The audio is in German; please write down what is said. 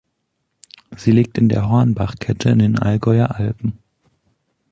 Sie liegt in der Hornbachkette in den Allgäuer Alpen.